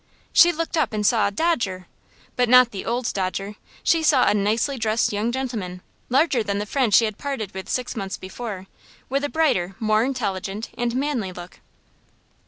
She looked up and saw Dodger. But not the old Dodger. She saw a nicely dressed young gentleman, larger than the friend she had parted with six months before, with a brighter, more intelligent, and manly look.